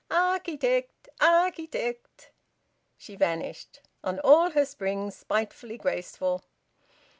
Arch i tect! Arch i tect!" She vanished, on all her springs, spitefully graceful.